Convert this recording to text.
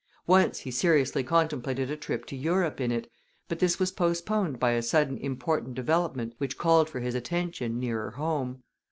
Once he seriously contemplated a trip to Europe in it, but this was postponed by a sudden important development which called for his attention nearer home.